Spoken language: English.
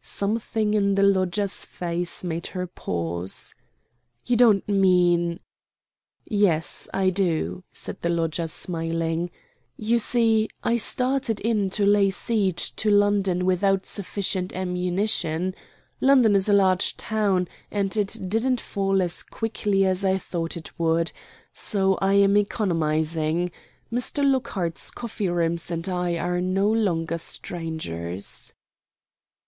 Something in the lodger's face made her pause. "You don't mean " "Yes, I do," said the lodger, smiling. "You see, I started in to lay siege to London without sufficient ammunition. London is a large town, and it didn't fall as quickly as I thought it would. So I am economizing. Mr. Lockhart's Coffee Rooms and I are no longer strangers."